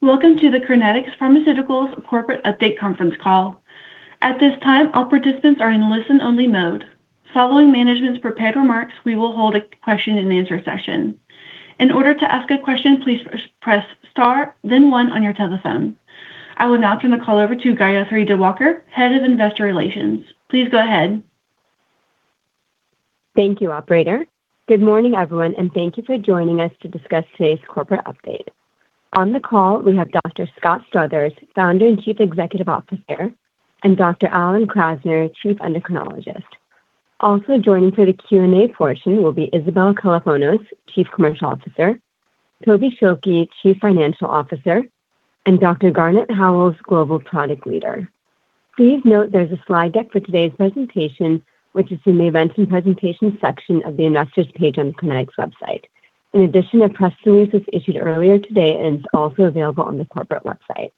Welcome to the Crinetics Pharmaceuticals Corporate Update Conference Call. At this time, all participants are in listen-only mode. Following management's prepared remarks, we will hold a question-and-answer session. In order to ask a question, please press star, then one on your telephone. I will now turn the call over to Gayathri Diwakar, Head of Investor Relations. Please go ahead. Thank you, Operator. Good morning, everyone, and thank you for joining us to discuss today's corporate update. On the call, we have Dr. Scott Struthers, Founder and Chief Executive Officer, and Dr. Alan Krasner, Chief Endocrinologist. Also joining for the Q&A portion will be Isabel Kalofonos, Chief Commercial Officer, Toby Schilke, Chief Financial Officer, and Dr. Garnett Howells, Global Product Leader. Please note there's a slide deck for today's presentation, which is in the Events and Presentations section of the Investors page on the Crinetics website. In addition, a press release was issued earlier today and is also available on the corporate website.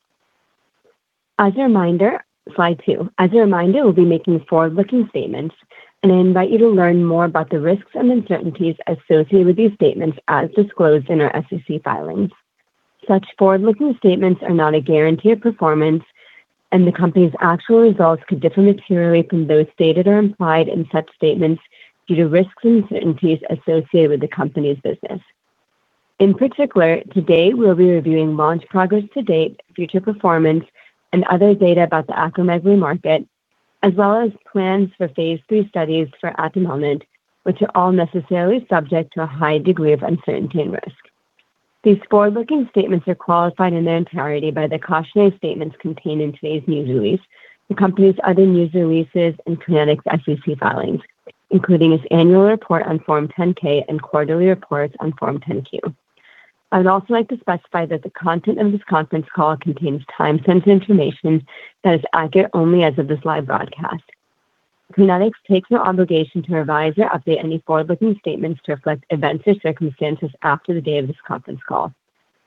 As a reminder, slide two, we'll be making forward-looking statements, and I invite you to learn more about the risks and uncertainties associated with these statements as disclosed in our SEC filings. Such forward-looking statements are not a guarantee of performance, and the company's actual results could differ materially from those stated or implied in such statements due to risks and uncertainties associated with the company's business. In particular, today we'll be reviewing launch progress to date, future performance, and other data about the acromegaly market, as well as plans for phase III studies for atumelnant, which are all necessarily subject to a high degree of uncertainty and risk. These forward-looking statements are qualified in their entirety by the cautionary statements contained in today's news release, the company's other news releases, and Crinetics' SEC filings, including its annual report on Form 10-K and quarterly reports on Form 10-Q. I'd also like to specify that the content of this conference call contains time-sensitive information that is accurate only as of this live broadcast. Crinetics takes no obligation to revise or update any forward-looking statements to reflect events or circumstances after the day of this conference call.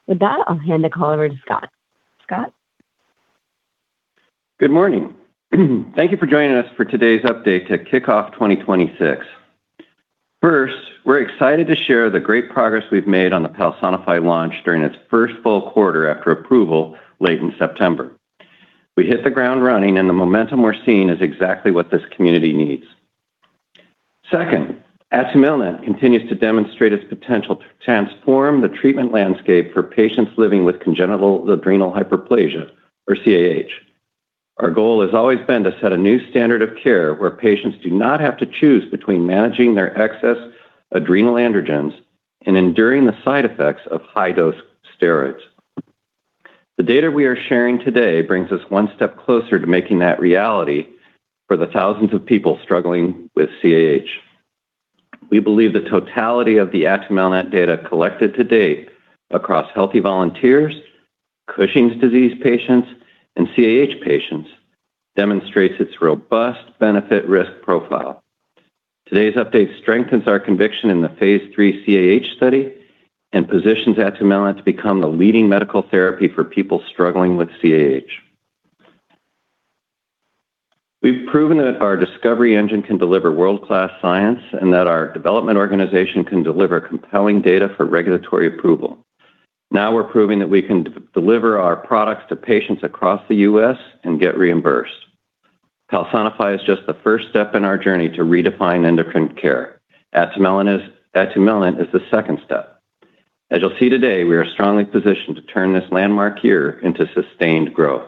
With that, I'll hand the call over to Scott. Scott? Good morning. Thank you for joining us for today's update to kick off 2026. First, we're excited to share the great progress we've made on the Palsonify launch during its first full quarter after approval late in September. We hit the ground running, and the momentum we're seeing is exactly what this community needs. Second, atumelnant continues to demonstrate its potential to transform the treatment landscape for patients living with congenital adrenal hyperplasia, or CAH. Our goal has always been to set a new standard of care where patients do not have to choose between managing their excess adrenal androgens and enduring the side effects of high-dose steroids. The data we are sharing today brings us one step closer to making that reality for the thousands of people struggling with CAH. We believe the totality of the atumelnant data collected to date across healthy volunteers, Cushing's disease patients, and CAH patients demonstrates its robust benefit-risk profile. Today's update strengthens our conviction in the phase III CAH study and positions atumelnant to become the leading medical therapy for people struggling with CAH. We've proven that our discovery engine can deliver world-class science and that our development organization can deliver compelling data for regulatory approval. Now we're proving that we can deliver our products to patients across the U.S. and get reimbursed. Palsonify is just the first step in our journey to redefine endocrine care. atumelnant is the second step. As you'll see today, we are strongly positioned to turn this landmark year into sustained growth.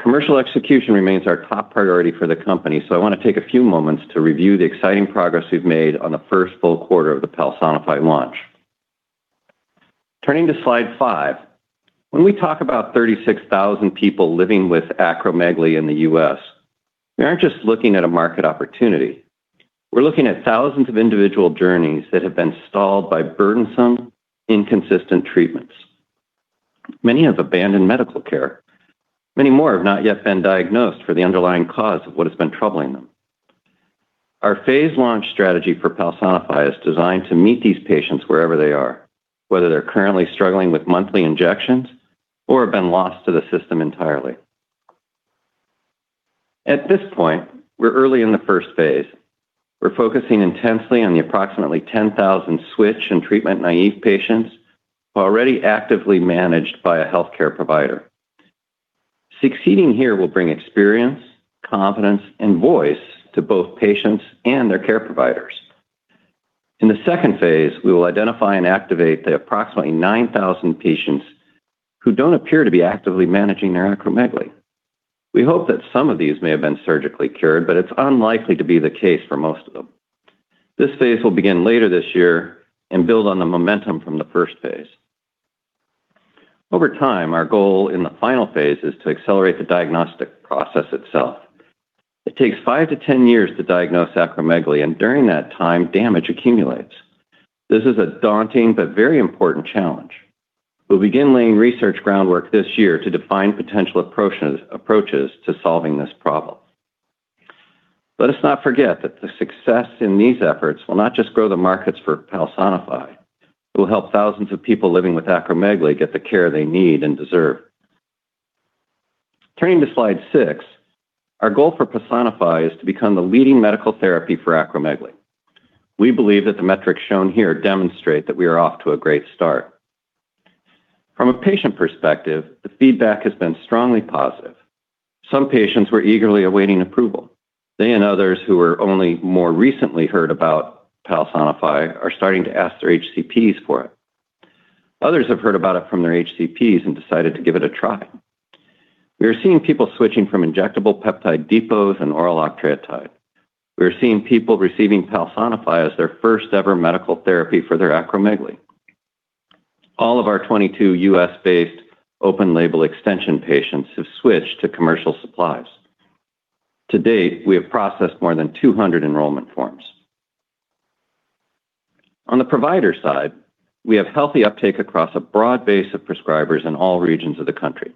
Commercial execution remains our top priority for the company, so I want to take a few moments to review the exciting progress we've made on the first full quarter of the Palsonify launch. Turning to slide five, when we talk about 36,000 people living with acromegaly in the U.S., we aren't just looking at a market opportunity. We're looking at thousands of individual journeys that have been stalled by burdensome, inconsistent treatments. Many have abandoned medical care. Many more have not yet been diagnosed for the underlying cause of what has been troubling them. Our phase launch strategy for Palsonify is designed to meet these patients wherever they are, whether they're currently struggling with monthly injections or have been lost to the system entirely. At this point, we're early in the first phase. We're focusing intensely on the approximately 10,000 switch and treatment naive patients already actively managed by a healthcare provider. Succeeding here will bring experience, confidence, and voice to both patients and their care providers. In the second phase, we will identify and activate the approximately 9,000 patients who don't appear to be actively managing their acromegaly. We hope that some of these may have been surgically cured, but it's unlikely to be the case for most of them. This phase will begin later this year and build on the momentum from the first phase. Over time, our goal in the final phase is to accelerate the diagnostic process itself. It takes five to ten years to diagnose acromegaly, and during that time, damage accumulates. This is a daunting but very important challenge. We'll begin laying research groundwork this year to define potential approaches to solving this problem. Let us not forget that the success in these efforts will not just grow the markets for Palsonify. It will help thousands of people living with acromegaly get the care they need and deserve. Turning to slide six, our goal for Palsonify is to become the leading medical therapy for acromegaly. We believe that the metrics shown here demonstrate that we are off to a great start. From a patient perspective, the feedback has been strongly positive. Some patients were eagerly awaiting approval. They and others who were only more recently heard about Palsonify are starting to ask their HCPs for it. Others have heard about it from their HCPs and decided to give it a try. We are seeing people switching from injectable peptide depots and oral octreotide. We are seeing people receiving Palsonify as their first-ever medical therapy for their acromegaly. All of our 22 U.S.-based open-label extension patients have switched to commercial supplies. To date, we have processed more than 200 enrollment forms. On the provider side, we have healthy uptake across a broad base of prescribers in all regions of the country.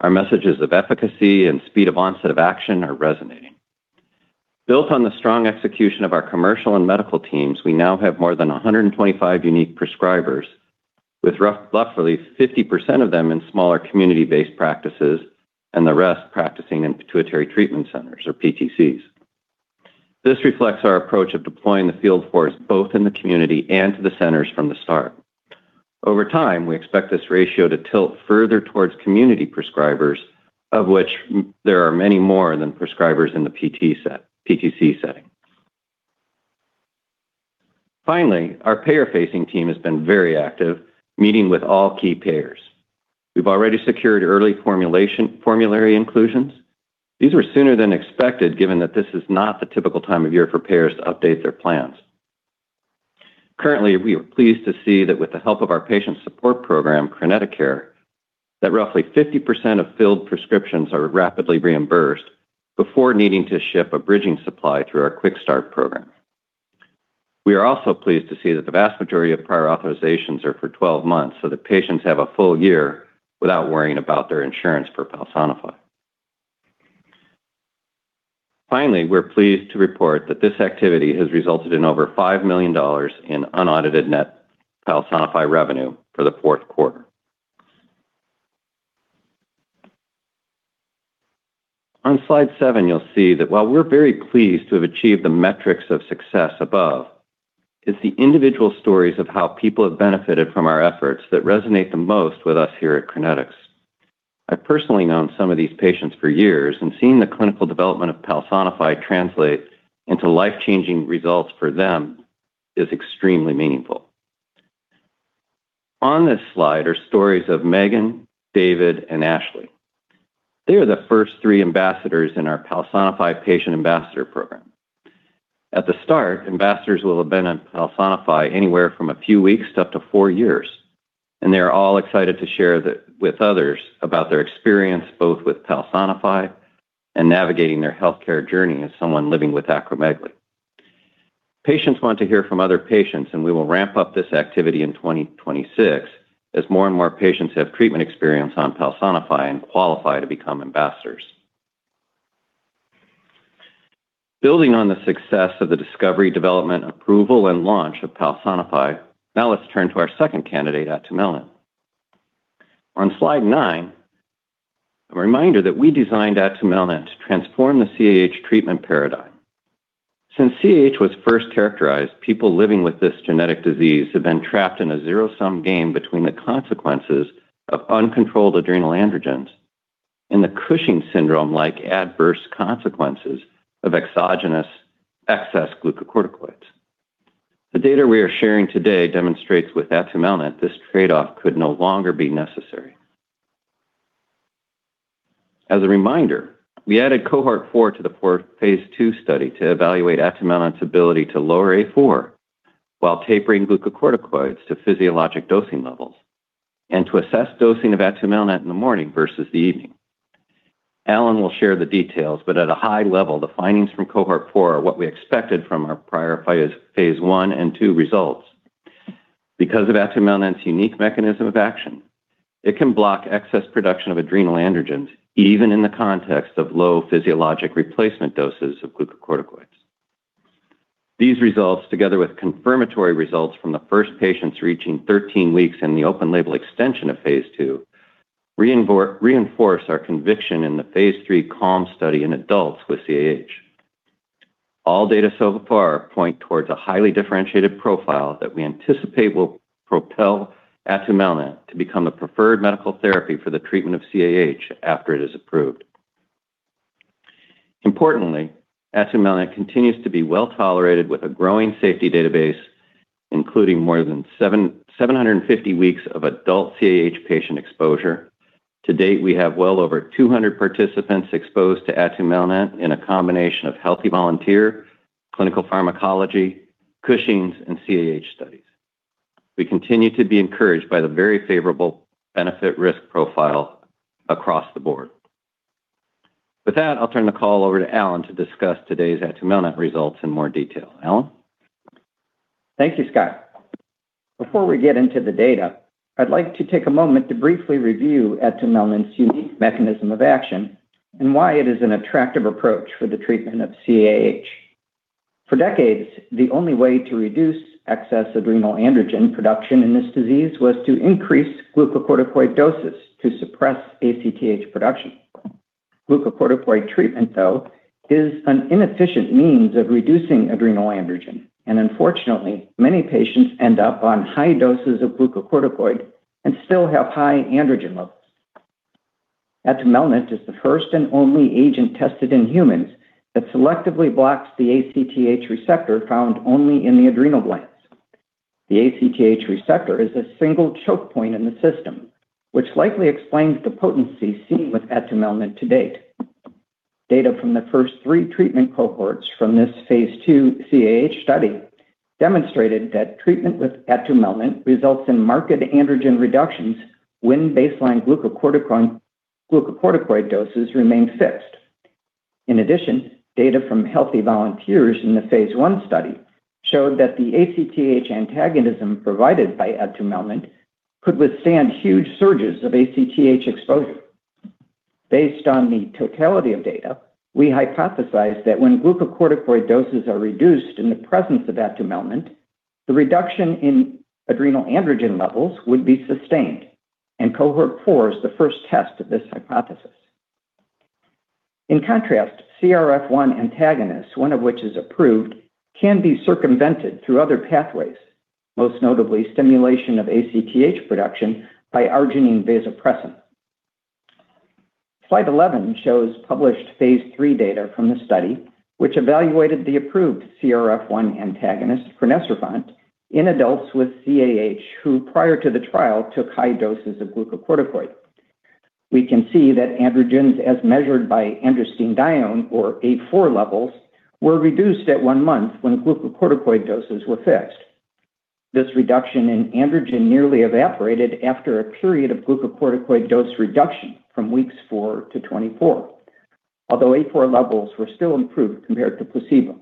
Our messages of efficacy and speed of onset of action are resonating. Built on the strong execution of our commercial and medical teams, we now have more than 125 unique prescribers, with roughly 50% of them in smaller community-based practices and the rest practicing in pituitary treatment centers, or PTCs. This reflects our approach of deploying the field force both in the community and to the centers from the start. Over time, we expect this ratio to tilt further towards community prescribers, of which there are many more than prescribers in the PTC setting. Finally, our payer-facing team has been very active, meeting with all key payers. We've already secured early formulary inclusions. These were sooner than expected, given that this is not the typical time of year for payers to update their plans. Currently, we are pleased to see that with the help of our patient support program, CrinetiCare, that roughly 50% of filled prescriptions are rapidly reimbursed before needing to ship a bridging supply through our QuickStart program. We are also pleased to see that the vast majority of prior authorizations are for 12 months, so the patients have a full year without worrying about their insurance for Palsonify. Finally, we're pleased to report that this activity has resulted in over $5 million in unaudited net Palsonify revenue for the fourth quarter. On slide seven, you'll see that while we're very pleased to have achieved the metrics of success above, it's the individual stories of how people have benefited from our efforts that resonate the most with us here at Crinetics. I've personally known some of these patients for years and seeing the clinical development of Palsonify translate into life-changing results for them is extremely meaningful. On this slide are stories of Megan, David, and Ashley. They are the first three ambassadors in our Palsonify Patient Ambassador program. At the start, ambassadors will have been on Palsonify anywhere from a few weeks to up to four years, and they are all excited to share with others about their experience both with Palsonify and navigating their healthcare journey as someone living with acromegaly. Patients want to hear from other patients, and we will ramp up this activity in 2026 as more and more patients have treatment experience on Palsonify and qualify to become ambassadors. Building on the success of the discovery, development, approval, and launch of Palsonify, now let's turn to our second candidate, atumelnant. On slide nine, a reminder that we designed atumelnant to transform the CAH treatment paradigm. Since CAH was first characterized, people living with this genetic disease have been trapped in a zero-sum game between the consequences of uncontrolled adrenal androgens and the Cushing's syndrome-like adverse consequences of exogenous excess glucocorticoids. The data we are sharing today demonstrates with atumelnant this trade-off could no longer be necessary. As a reminder, we added Cohort 4 to the phase II study to evaluate atumelnant's ability to lower A4 while tapering glucocorticoids to physiologic dosing levels and to assess dosing of atumelnant in the morning versus the evening. Alan will share the details, but at a high level, the findings from Cohort 4 are what we expected from our prior phase I and II results. Because of atumelnant's unique mechanism of action, it can block excess production of adrenal androgens even in the context of low physiologic replacement doses of glucocorticoids. These results, together with confirmatory results from the first patients reaching 13 weeks in the open-label extension of phase II, reinforce our conviction in the phase III Calm study in adults with CAH. All data so far point towards a highly differentiated profile that we anticipate will propel atumelnant to become the preferred medical therapy for the treatment of CAH after it is approved. Importantly, atumelnant continues to be well tolerated with a growing safety database, including more than 750 weeks of adult CAH patient exposure. To date, we have well over 200 participants exposed to atumelnant in a combination of healthy volunteer, clinical pharmacology, Cushing's, and CAH studies. We continue to be encouraged by the very favorable benefit-risk profile across the board. With that, I'll turn the call over to Alan to discuss today's atumelnant results in more detail. Alan? Thank you, Scott. Before we get into the data, I'd like to take a moment to briefly review atumelnant's unique mechanism of action and why it is an attractive approach for the treatment of CAH. For decades, the only way to reduce excess adrenal androgen production in this disease was to increase glucocorticoid doses to suppress ACTH production. Glucocorticoid treatment, though, is an inefficient means of reducing adrenal androgen, and unfortunately, many patients end up on high doses of glucocorticoid and still have high androgen levels. atumelnant is the first and only agent tested in humans that selectively blocks the ACTH receptor found only in the adrenal glands. The ACTH receptor is a single choke point in the system, which likely explains the potency seen with atumelnant to date. Data from the first three treatment cohorts from this phase II CAH study demonstrated that treatment with atumelnant results in marked androgen reductions when baseline glucocorticoid doses remain fixed. In addition, data from healthy volunteers in the phase I study showed that the ACTH antagonism provided by atumelnant could withstand huge surges of ACTH exposure. Based on the totality of data, we hypothesize that when glucocorticoid doses are reduced in the presence of atumelnant, the reduction in adrenal androgen levels would be sustained, and Cohort 4 is the first test of this hypothesis. In contrast, CRF1 antagonists, one of which is approved, can be circumvented through other pathways, most notably stimulation of ACTH production by arginine vasopressin. Slide 11 shows published phase III data from the study, which evaluated the approved CRF1 antagonist, crinecerfont, in adults with CAH who prior to the trial took high doses of glucocorticoid. We can see that androgens, as measured by androstenedione, or A4 levels, were reduced at one month when glucocorticoid doses were fixed. This reduction in androgen nearly evaporated after a period of glucocorticoid dose reduction from weeks four to 24, although A4 levels were still improved compared to placebo.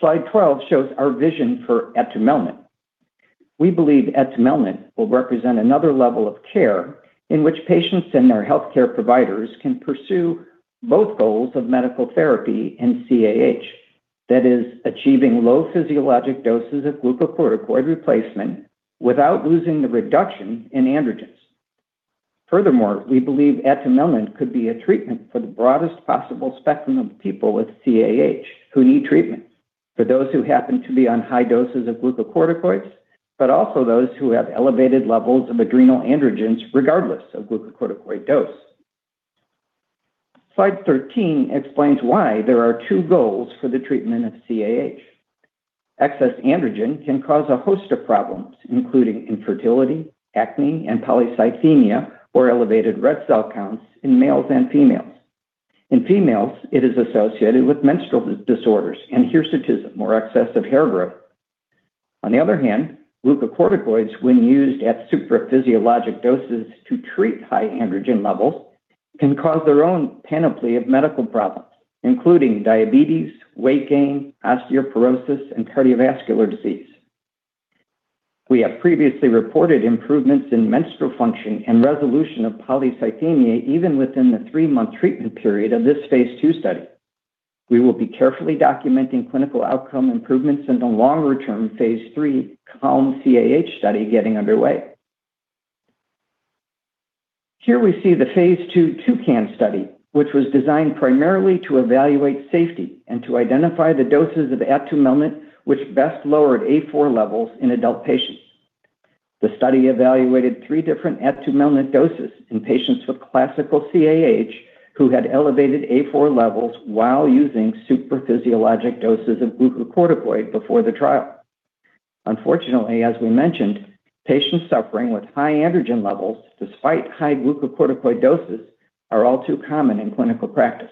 Slide 12 shows our vision for atumelnant. We believe atumelnant will represent another level of care in which patients and their healthcare providers can pursue both goals of medical therapy and CAH, that is, achieving low physiologic doses of glucocorticoid replacement without losing the reduction in androgens. Furthermore, we believe atumelnant could be a treatment for the broadest possible spectrum of people with CAH who need treatment, for those who happen to be on high doses of glucocorticoids, but also those who have elevated levels of adrenal androgens regardless of glucocorticoid dose. Slide 13 explains why there are two goals for the treatment of CAH. Excess androgen can cause a host of problems, including infertility, acne, and polycythemia, or elevated red cell counts in males and females. In females, it is associated with menstrual disorders and hirsutism, or excessive hair growth. On the other hand, glucocorticoids, when used at supraphysiologic doses to treat high androgen levels, can cause their own panoply of medical problems, including diabetes, weight gain, osteoporosis, and cardiovascular disease. We have previously reported improvements in menstrual function and resolution of polycythemia even within the three-month treatment period of this phase II study. We will be carefully documenting clinical outcome improvements in the longer-term phase III CAH study getting underway. Here we see the phase II TouCAHn study, which was designed primarily to evaluate safety and to identify the doses of atumelnant which best lowered A4 levels in adult patients. The study evaluated three different atumelnant doses in patients with classical CAH who had elevated A4 levels while using supraphysiologic doses of glucocorticoid before the trial. Unfortunately, as we mentioned, patients suffering with high androgen levels despite high glucocorticoid doses are all too common in clinical practice.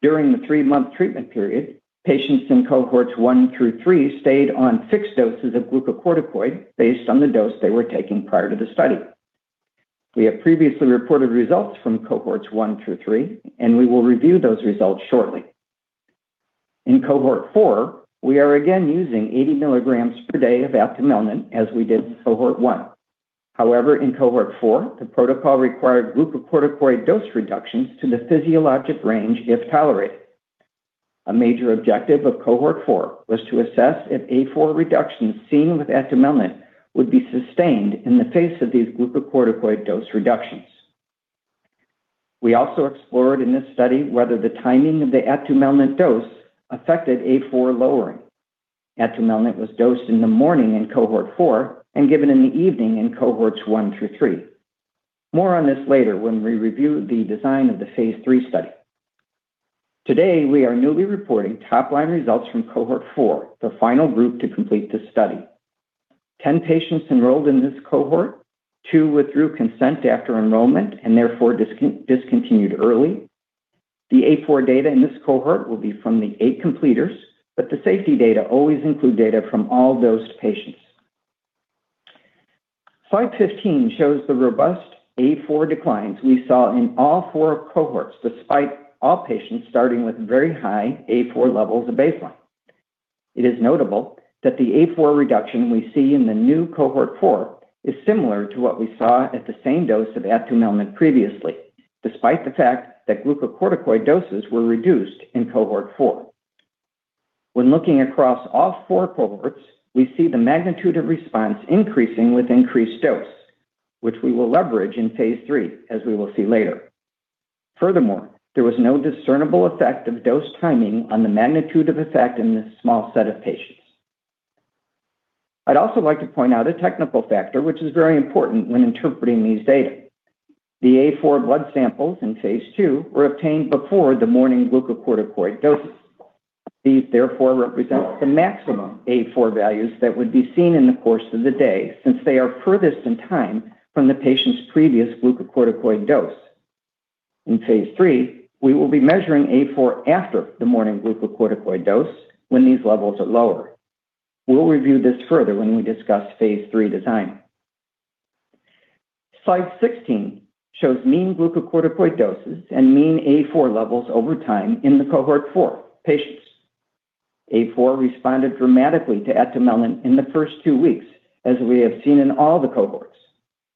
During the three-month treatment period, patients in cohorts one through three stayed on fixed doses of glucocorticoid based on the dose they were taking prior to the study. We have previously reported results from cohorts one through three, and we will review those results shortly. In Cohort 4, we are again using 80 mg per day of atumelnant as we did in cohort one. However, in Cohort 4, the protocol required glucocorticoid dose reductions to the physiologic range if tolerated. A major objective of Cohort 4 was to assess if A4 reductions seen with atumelnant would be sustained in the face of these glucocorticoid dose reductions. We also explored in this study whether the timing of the atumelnant dose affected A4 lowering. atumelnant was dosed in the morning in Cohort 4 and given in the evening in cohorts one through three. More on this later when we review the design of the phase III study. Today, we are newly reporting top-line results from Cohort 4, the final group to complete this study. 10 patients enrolled in this cohort, two withdrew consent after enrollment and therefore discontinued early. The A4 data in this cohort will be from the eight completers, but the safety data always include data from all dosed patients. Slide 15 shows the robust A4 declines we saw in all four cohorts despite all patients starting with very high A4 levels of baseline. It is notable that the A4 reduction we see in the new Cohort 4 is similar to what we saw at the same dose of atumelnant previously, despite the fact that glucocorticoid doses were reduced in Cohort 4. When looking across all four cohorts, we see the magnitude of response increasing with increased dose, which we will leverage in phase III, as we will see later. Furthermore, there was no discernible effect of dose timing on the magnitude of effect in this small set of patients. I'd also like to point out a technical factor which is very important when interpreting these data. The A4 blood samples in phase II were obtained before the morning glucocorticoid doses. These therefore represent the maximum A4 values that would be seen in the course of the day since they are furthest in time from the patient's previous glucocorticoid dose. In phase III, we will be measuring A4 after the morning glucocorticoid dose when these levels are lower. We'll review this further when we discuss phase III design. Slide 16 shows mean glucocorticoid doses and mean A4 levels over time in the Cohort 4 patients. A4 responded dramatically to atumelnant in the first two weeks, as we have seen in all the cohorts.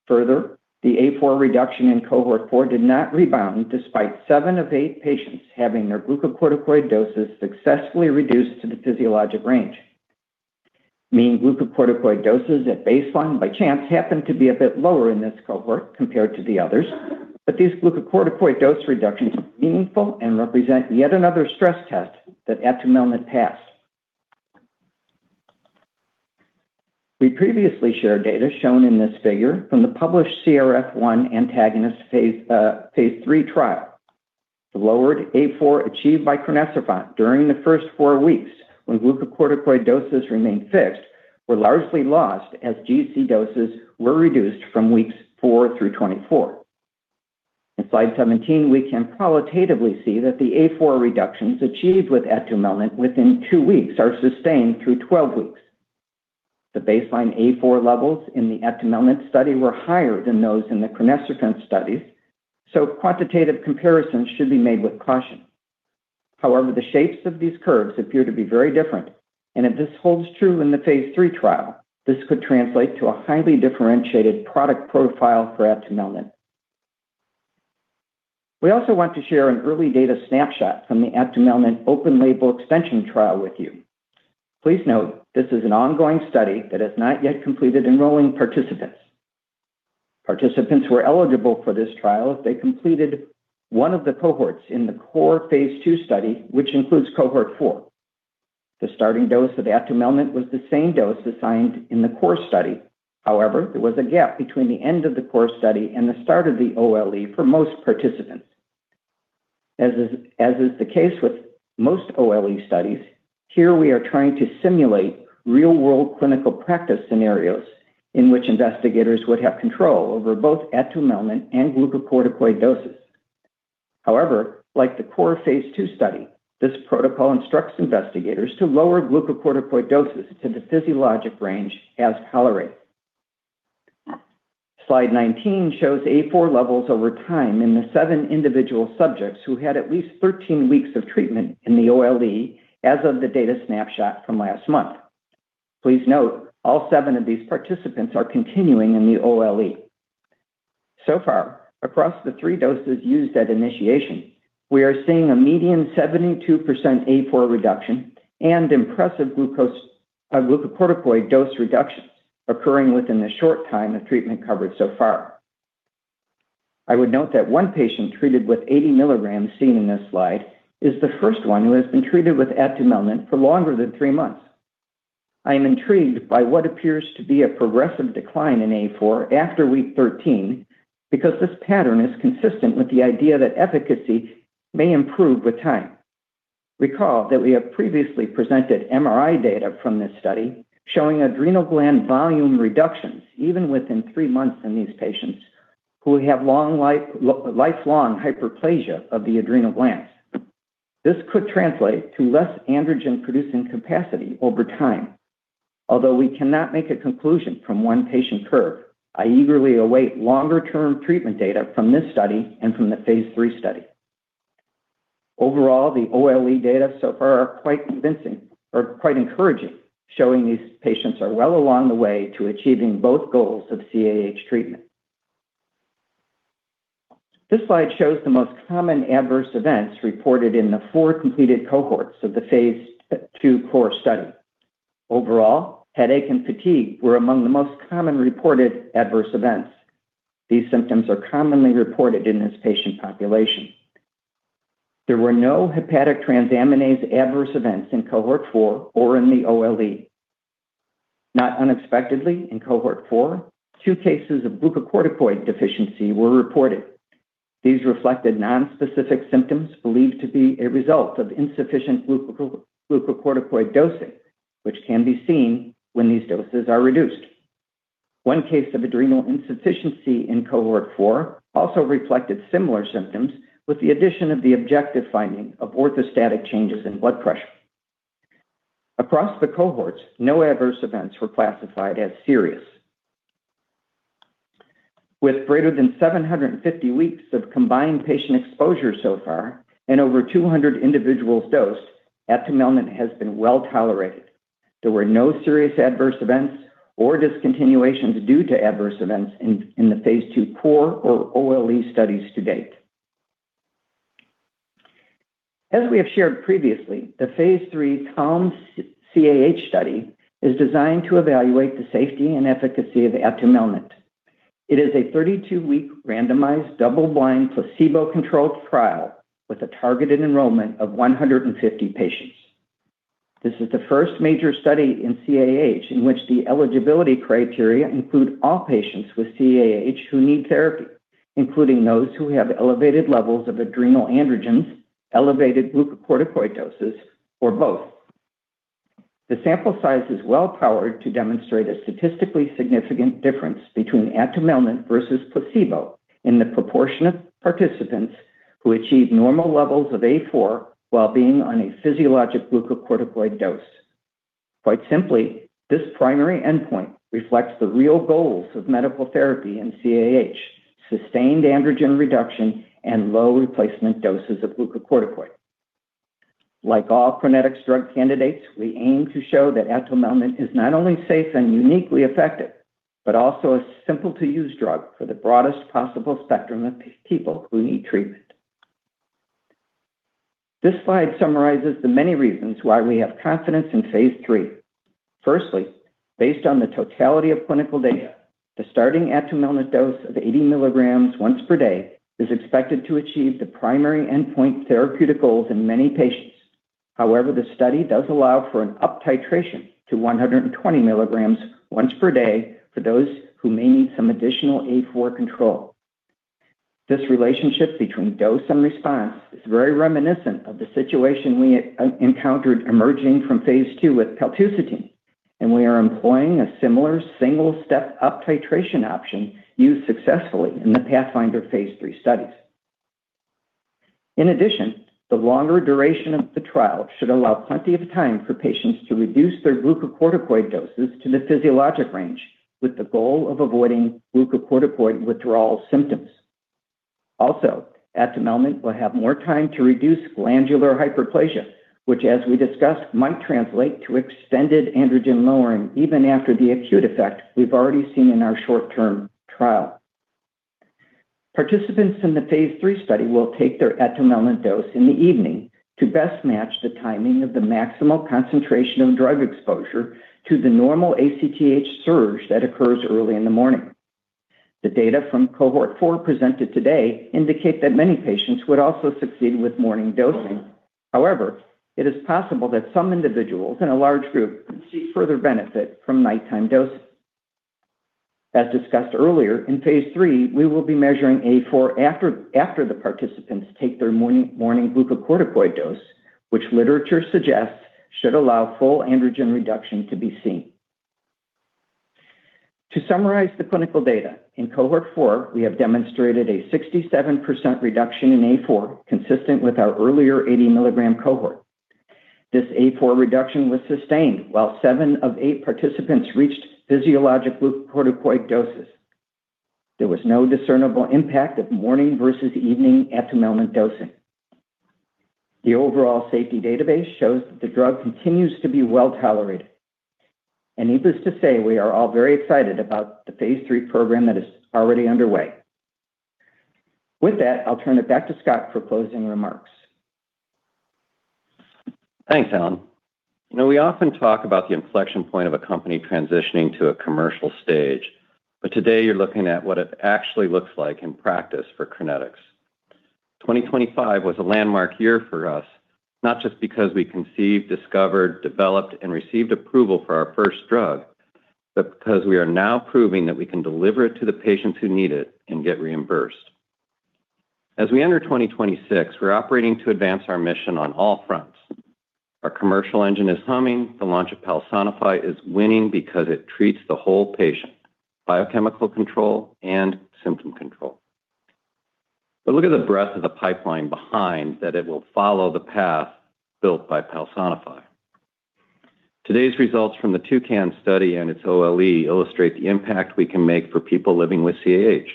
Further, the A4 reduction in Cohort 4 did not rebound despite seven of eight patients having their glucocorticoid doses successfully reduced to the physiologic range. Mean glucocorticoid doses at baseline by chance happened to be a bit lower in this cohort compared to the others, but these glucocorticoid dose reductions are meaningful and represent yet another stress test that atumelnant passed. We previously shared data shown in this figure from the published CRF1 antagonist phase III trial. The lowered A4 achieved by crinecerfont during the first four weeks when glucocorticoid doses remained fixed were largely lost as GC doses were reduced from weeks four through 24. In slide 17, we can qualitatively see that the A4 reductions achieved with atumelnant within two weeks are sustained through 12 weeks. The baseline A4 levels in the atumelnant study were higher than those in the crinecerfont studies, so quantitative comparisons should be made with caution. However, the shapes of these curves appear to be very different, and if this holds true in the phase III trial, this could translate to a highly differentiated product profile for atumelnant. We also want to share an early data snapshot from the atumelnant open-label extension trial with you. Please note this is an ongoing study that has not yet completed enrolling participants. Participants were eligible for this trial if they completed one of the cohorts in the core phase II study, which includes Cohort 4. The starting dose of atumelnant was the same dose assigned in the core study. However, there was a gap between the end of the core study and the start of the OLE for most participants. As is the case with most OLE studies, here we are trying to simulate real-world clinical practice scenarios in which investigators would have control over both atumelnant and glucocorticoid doses. However, like the core phase II study, this protocol instructs investigators to lower glucocorticoid doses to the physiologic range as tolerated. Slide 19 shows A4 levels over time in the seven individual subjects who had at least 13 weeks of treatment in the OLE as of the data snapshot from last month. Please note all seven of these participants are continuing in the OLE. So far, across the three doses used at initiation, we are seeing a median 72% A4 reduction and impressive glucocorticoid dose reductions occurring within the short time of treatment covered so far. I would note that one patient treated with 80 mg seen in this slide is the first one who has been treated with atumelnant for longer than three months. I am intrigued by what appears to be a progressive decline in A4 after week 13 because this pattern is consistent with the idea that efficacy may improve with time. Recall that we have previously presented MRI data from this study showing adrenal gland volume reductions even within three months in these patients who have long-standing hyperplasia of the adrenal glands. This could translate to less androgen-producing capacity over time. Although we cannot make a conclusion from one patient curve, I eagerly await longer-term treatment data from this study and from the phase III study. Overall, the OLE data so far are quite convincing or quite encouraging, showing these patients are well along the way to achieving both goals of CAH treatment. This slide shows the most common adverse events reported in the four completed cohorts of the phase II core study. Overall, headache and fatigue were among the most common reported adverse events. These symptoms are commonly reported in this patient population. There were no hepatic transaminase adverse events in Cohort 4 or in the OLE. Not unexpectedly, in Cohort 4, two cases of glucocorticoid deficiency were reported. These reflected nonspecific symptoms believed to be a result of insufficient glucocorticoid dosing, which can be seen when these doses are reduced. One case of adrenal insufficiency in Cohort 4 also reflected similar symptoms with the addition of the objective finding of orthostatic changes in blood pressure. Across the cohorts, no adverse events were classified as serious. With greater than 750 weeks of combined patient exposure so far and over 200 individuals dosed, atumelnant has been well tolerated. There were no serious adverse events or discontinuations due to adverse events in the phase II core or OLE studies to date. As we have shared previously, the phase III Calm-CAH study is designed to evaluate the safety and efficacy of atumelnant. It is a 32-week randomized double-blind placebo-controlled trial with a targeted enrollment of 150 patients. This is the first major study in CAH in which the eligibility criteria include all patients with CAH who need therapy, including those who have elevated levels of adrenal androgens, elevated glucocorticoid doses, or both. The sample size is well powered to demonstrate a statistically significant difference between atumelnant versus placebo in the proportion of participants who achieve normal levels of A4 while being on a physiologic glucocorticoid dose. Quite simply, this primary endpoint reflects the real goals of medical therapy in CAH: sustained androgen reduction and low replacement doses of glucocorticoid. Like all Crinetics drug candidates, we aim to show that atumelnant is not only safe and uniquely effective but also a simple-to-use drug for the broadest possible spectrum of people who need treatment. This slide summarizes the many reasons why we have confidence in phase III. Firstly, based on the totality of clinical data, the starting atumelnant dose of 80 mg once per day is expected to achieve the primary endpoint therapeutic goals in many patients. However, the study does allow for an up-titration to 120 mg once per day for those who may need some additional A4 control. This relationship between dose and response is very reminiscent of the situation we encountered emerging from phase II with paltusotine, and we are employing a similar single-step up-titration option used successfully in the PATHFNDR phase III studies. In addition, the longer duration of the trial should allow plenty of time for patients to reduce their glucocorticoid doses to the physiologic range with the goal of avoiding glucocorticoid withdrawal symptoms. Also, atumelnant will have more time to reduce glandular hyperplasia, which, as we discussed, might translate to extended androgen lowering even after the acute effect we've already seen in our short-term trial. Participants in the phase III study will take their atumelnant dose in the evening to best match the timing of the maximal concentration of drug exposure to the normal ACTH surge that occurs early in the morning. The data from Cohort 4 presented today indicate that many patients would also succeed with morning dosing. However, it is possible that some individuals in a large group could see further benefit from nighttime dosing. As discussed earlier, in phase III, we will be measuring A4 after the participants take their morning glucocorticoid dose, which literature suggests should allow full androgen reduction to be seen. To summarize the clinical data, in Cohort 4, we have demonstrated a 67% reduction in A4 consistent with our earlier 80-milligram cohort. This A4 reduction was sustained while seven of eight participants reached physiologic glucocorticoid doses. There was no discernible impact of morning versus evening atumelnant dosing. The overall safety database shows that the drug continues to be well tolerated. Needless to say, we are all very excited about the phase III program that is already underway. With that, I'll turn it back to Scott for closing remarks. Thanks, Alan. You know, we often talk about the inflection point of a company transitioning to a commercial stage, but today you're looking at what it actually looks like in practice for Crinetics. 2025 was a landmark year for us, not just because we conceived, discovered, developed, and received approval for our first drug, but because we are now proving that we can deliver it to the patients who need it and get reimbursed. As we enter 2026, we're operating to advance our mission on all fronts. Our commercial engine is humming. The launch of Palsonify is winning because it treats the whole patient: biochemical control and symptom control. But look at the breadth of the pipeline behind that. It will follow the path built by Palsonify. Today's results from the TouCAHn study and its OLE illustrate the impact we can make for people living with CAH.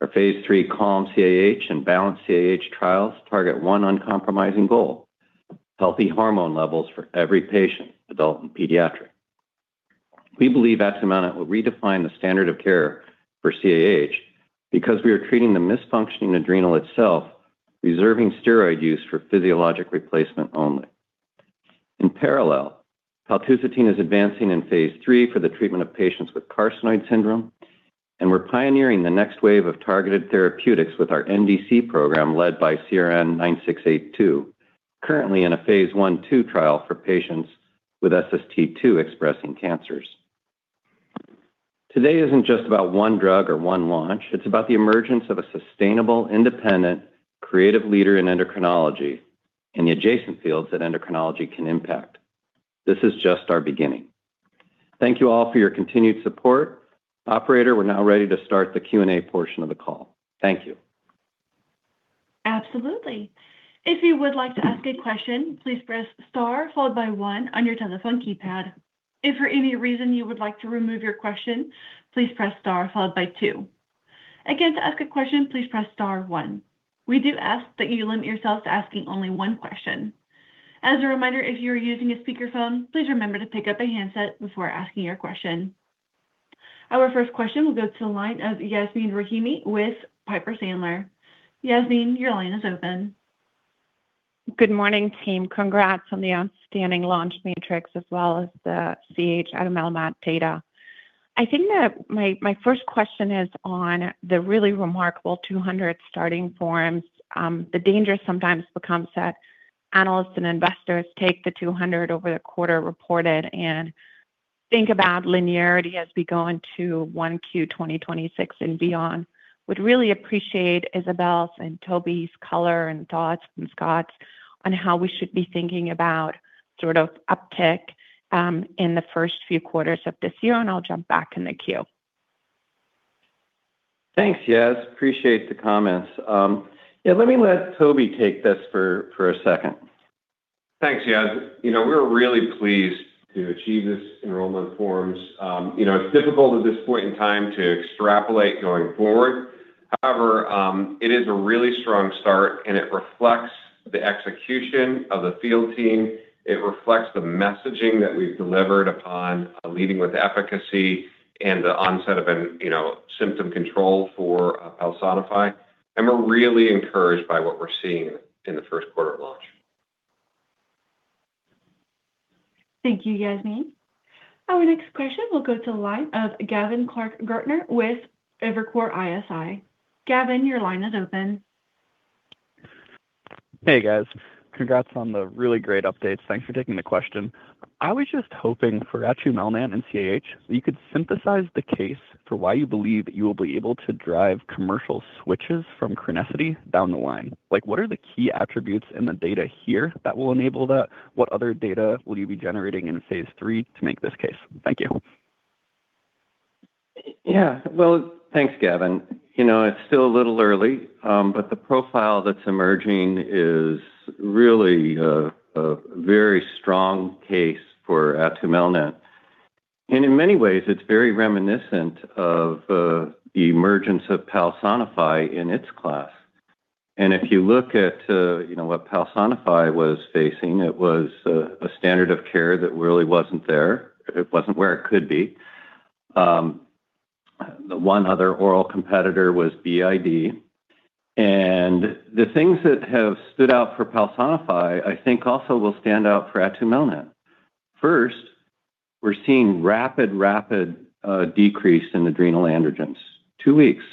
Our phase III Calm-CAH and BALANCED-CAH trials target one uncompromising goal: healthy hormone levels for every patient, adult, and pediatric. We believe atumelnant will redefine the standard of care for CAH because we are treating the malfunctioning adrenal itself, reserving steroid use for physiologic replacement only. In parallel, paltusotine is advancing in phase III for the treatment of patients with carcinoid syndrome, and we're pioneering the next wave of targeted therapeutics with our NDC program led by CRN09682, currently in a phase I-2 trial for patients with SST2-expressing cancers. Today isn't just about one drug or one launch. It's about the emergence of a sustainable, independent, creative leader in endocrinology and the adjacent fields that endocrinology can impact. This is just our beginning. Thank you all for your continued support. Operator, we're now ready to start the Q&A portion of the call. Thank you. Absolutely. If you would like to ask a question, please press star followed by one on your telephone keypad. If for any reason you would like to remove your question, please press star followed by two. Again, to ask a question, please press star one. We do ask that you limit yourself to asking only one question. As a reminder, if you are using a speakerphone, please remember to pick up a handset before asking your question. Our first question will go to the line of Yasmeen Rahimi with Piper Sandler. Yasmeen, your line is open. Good morning, team. Congrats on the outstanding launch matrix as well as the CAH atumelnant data. I think that my first question is on the really remarkable 200 starting forms. The danger sometimes becomes that analysts and investors take the 200 over the quarter reported and think about linearity as we go into 1Q 2026 and beyond. Would really appreciate Isabel's and Toby's color and thoughts from Scott on how we should be thinking about sort of uptick in the first few quarters of this year, and I'll jump back in the queue. Thanks, Yas. Appreciate the comments. Yeah, let me let Toby take this for a second. Thanks, Yas. You know, we're really pleased to achieve this enrollments. You know, it's difficult at this point in time to extrapolate going forward. However, it is a really strong start, and it reflects the execution of the field team. It reflects the messaging that we've delivered upon leading with efficacy and the onset of, you know, symptom control for Palsonify, and we're really encouraged by what we're seeing in the first quarter launch. Thank you, Yasmeen. Our next question will go to the line of Gavin Clark-Gartner with Evercore ISI. Gavin, your line is open. Hey, guys. Congrats on the really great updates. Thanks for taking the question. I was just hoping for atumelnant and CAH that you could synthesize the case for why you believe that you will be able to drive commercial switches from Crinetics down the line. Like, what are the key attributes in the data here that will enable that? What other data will you be generating in phase III to make this case? Thank you. Yeah, well, thanks, Gavin. You know, it's still a little early, but the profile that's emerging is really a very strong case for atumelnant. In many ways, it's very reminiscent of the emergence of Palsonify in its class. If you look at, you know, what Palsonify was facing, it was a standard of care that really wasn't there. It wasn't where it could be. The one other oral competitor was BID. The things that have stood out for Palsonify, I think, also will stand out for atumelnant. First, we're seeing rapid, rapid decrease in adrenal androgens. Two weeks.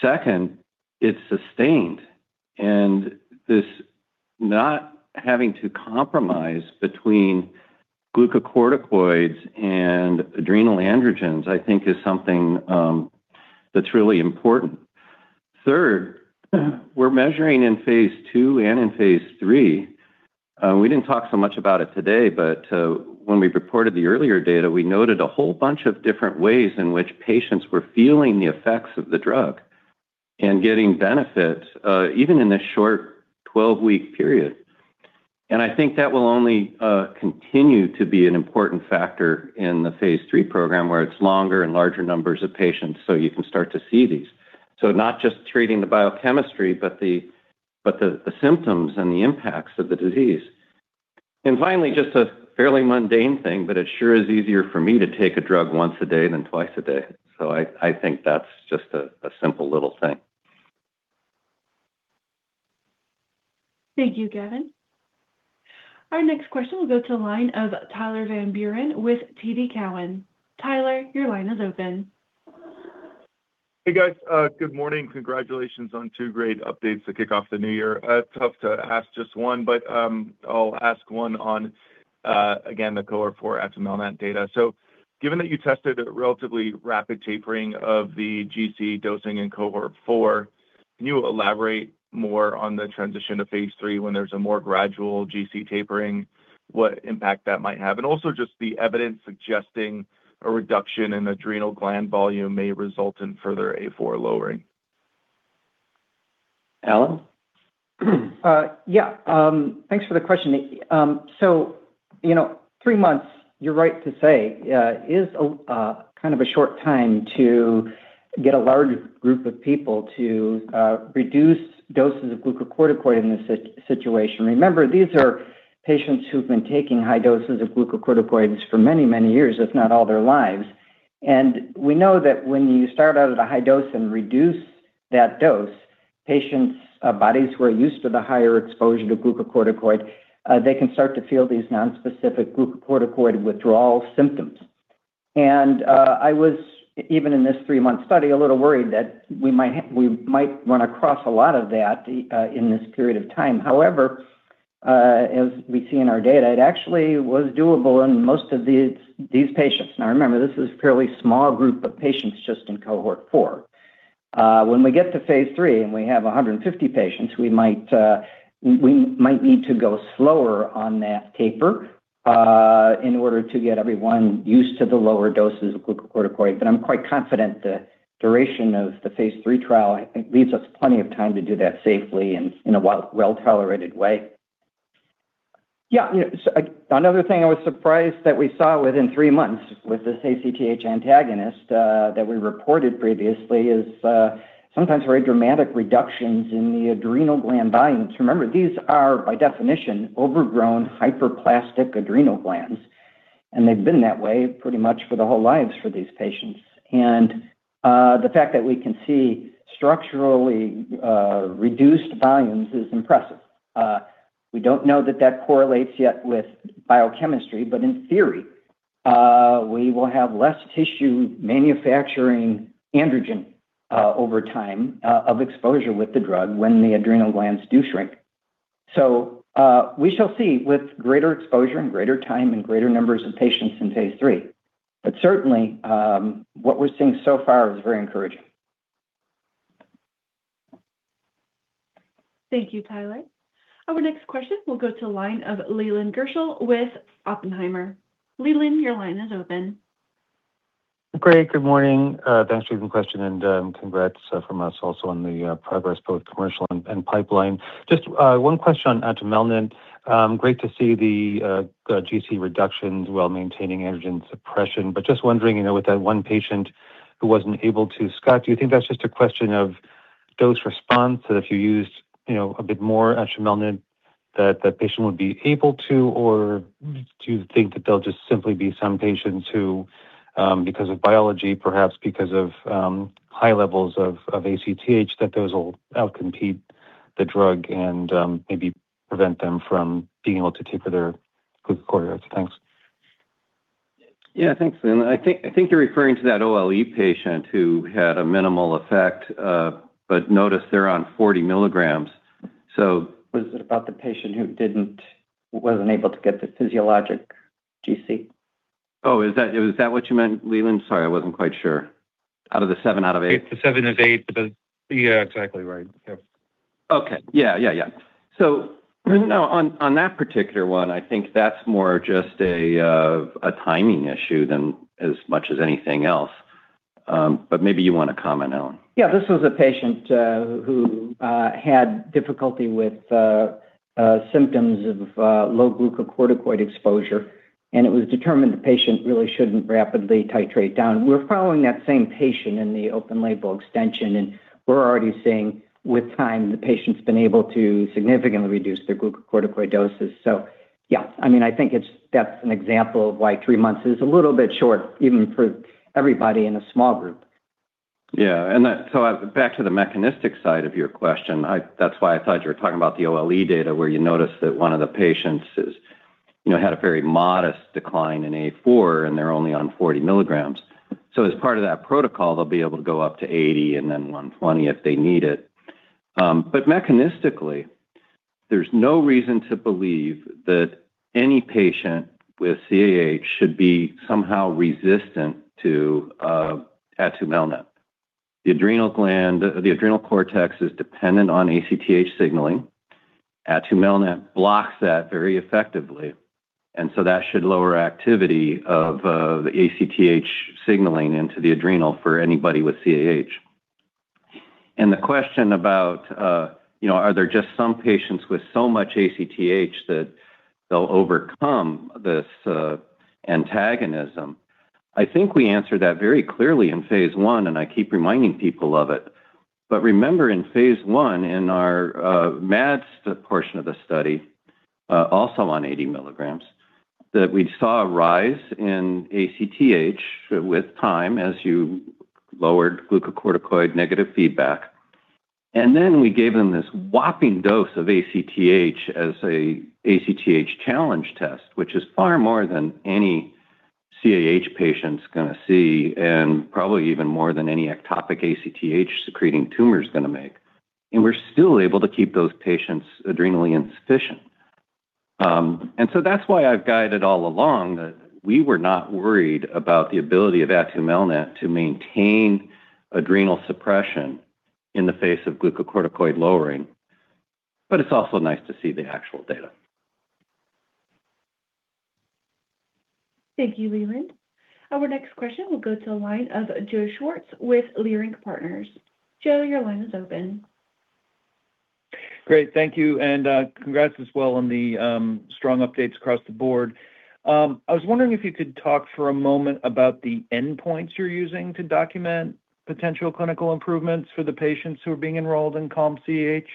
Second, it's sustained. This not having to compromise between glucocorticoids and adrenal androgens, I think, is something that's really important. Third, we're measuring in phase II and in phase III. We didn't talk so much about it today, but when we reported the earlier data, we noted a whole bunch of different ways in which patients were feeling the effects of the drug and getting benefit even in this short 12-week period, and I think that will only continue to be an important factor in the phase III program where it's longer and larger numbers of patients, so you can start to see these, so not just treating the biochemistry, but the symptoms and the impacts of the disease. And finally, just a fairly mundane thing, but it sure is easier for me to take a drug once a day than twice a day, so I think that's just a simple little thing. Thank you, Gavin. Our next question will go to the line of Tyler Van Buren with TD Cowen. Tyler, your line is open. Hey, guys. Good morning. Congratulations on two great updates to kick off the new year. Tough to ask just one, but I'll ask one on, again, the Cohort 4 atumelnant data. So given that you tested a relatively rapid tapering of the GC dosing in Cohort 4, can you elaborate more on the transition to phase III when there's a more gradual GC tapering, what impact that might have, and also just the evidence suggesting a reduction in adrenal gland volume may result in further A4 lowering? Alan? Yeah. Thanks for the question. So, you know, three months, you're right to say, is kind of a short time to get a large group of people to reduce doses of glucocorticoid in this situation. Remember, these are patients who've been taking high doses of glucocorticoids for many, many years, if not all their lives. And we know that when you start out at a high dose and reduce that dose, patients' bodies who are used to the higher exposure to glucocorticoid, they can start to feel these nonspecific glucocorticoid withdrawal symptoms. And I was, even in this three-month study, a little worried that we might run across a lot of that in this period of time. However, as we see in our data, it actually was doable in most of these patients. Now, remember, this is a fairly small group of patients just in Cohort 4. When we get to phase III and we have 150 patients, we might need to go slower on that taper in order to get everyone used to the lower doses of glucocorticoid. But I'm quite confident the duration of the phase III trial, I think, leaves us plenty of time to do that safely and in a well-tolerated way. Yeah, you know, another thing I was surprised that we saw within three months with this ACTH antagonist that we reported previously is sometimes very dramatic reductions in the adrenal gland volumes. Remember, these are, by definition, overgrown hyperplastic adrenal glands, and they've been that way pretty much for the whole lives for these patients, and the fact that we can see structurally reduced volumes is impressive. We don't know that that correlates yet with biochemistry, but in theory, we will have less tissue manufacturing androgen over time of exposure with the drug when the adrenal glands do shrink. So we shall see with greater exposure and greater time and greater numbers of patients in phase III. But certainly, what we're seeing so far is very encouraging. Thank you, Tyler. Our next question will go to the line of Leland Gershell with Oppenheimer. Leland, your line is open. Great. Good morning. Thanks for the question and congrats from us also on the progress, both commercial and pipeline. Just one question on atumelnant. Great to see the GC reductions while maintaining androgen suppression, but just wondering, you know, with that one patient who wasn't able to, Scott, do you think that's just a question of dose response that if you used, you know, a bit more atumelnant, that the patient would be able to, or do you think that there'll just simply be some patients who, because of biology, perhaps because of high levels of ACTH, that those will outcompete the drug and maybe prevent them from being able to taper their glucocorticoids? Thanks. Yeah, thanks. And I think you're referring to that OLE patient who had a minimal effect, but notice they're on 40 mg. So. Was it about the patient who wasn't able to get the physiologic GC? Oh, is that what you meant, Leland? Sorry, I wasn't quite sure. Out of the seven out of eight. It's a seven out of eight. Yeah, exactly right. Yeah. Okay. Yeah, yeah, yeah. So now on that particular one, I think that's more just a timing issue than as much as anything else. But maybe you want to comment on? Yeah, this was a patient who had difficulty with symptoms of low glucocorticoid exposure, and it was determined the patient really shouldn't rapidly titrate down. We're following that same patient in the open-label extension, and we're already seeing with time the patient's been able to significantly reduce their glucocorticoid doses. So yeah, I mean, I think that's an example of why three months is a little bit short, even for everybody in a small group. Yeah. And so back to the mechanistic side of your question, that's why I thought you were talking about the OLE data where you noticed that one of the patients is, you know, had a very modest decline in A4 and they're only on 40 mg. So as part of that protocol, they'll be able to go up to 80 mg and then 120 mg if they need it. But mechanistically, there's no reason to believe that any patient with CAH should be somehow resistant to atumelnant. The adrenal gland, the adrenal cortex is dependent on ACTH signaling. atumelnant blocks that very effectively. And so that should lower activity of the ACTH signaling into the adrenal for anybody with CAH. And the question about, you know, are there just some patients with so much ACTH that they'll overcome this antagonism? I think we answered that very clearly in phase I, and I keep reminding people of it. But remember in phase I in our MAD portion of the study, also on 80 mg, that we saw a rise in ACTH with time as you lowered glucocorticoid negative feedback. And then we gave them this whopping dose of ACTH as an ACTH challenge test, which is far more than any CAH patient's going to see and probably even more than any ectopic ACTH secreting tumor's going to make. And we're still able to keep those patients adrenally insufficient. And so that's why I've guided all along that we were not worried about the ability of atumelnant to maintain adrenal suppression in the face of glucocorticoid lowering. But it's also nice to see the actual data. Thank you, Leland. Our next question will go to a line of Joe Schwartz with Leerink Partners. Joe, your line is open. Great. Thank you and congrats as well on the strong updates across the board. I was wondering if you could talk for a moment about the endpoints you're using to document potential clinical improvements for the patients who are being enrolled in CAH,